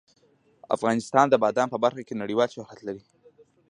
افغانستان د بادام په برخه کې نړیوال شهرت لري.